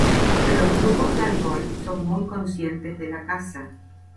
Los grupo de Algol son muy conscientes de la caza.